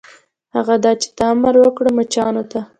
هغه دا چې ته امر وکړه مچانو ته.